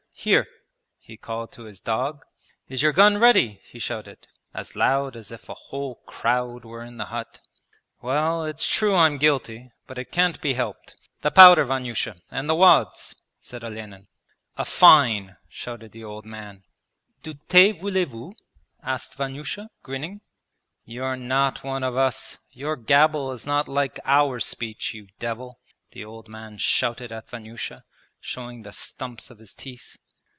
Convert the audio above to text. Here!' he called to his dog. 'Is your gun ready?' he shouted, as loud as if a whole crowd were in the hut. 'Well, it's true I'm guilty, but it can't be helped! The powder, Vanyusha, and the wads!' said Olenin. 'A fine!' shouted the old man. 'Du tay voulay vou?' asked Vanyusha, grinning. 'You're not one of us your gabble is not like our speech, you devil!' the old man shouted at Vanyusha, showing the stumps of his teeth.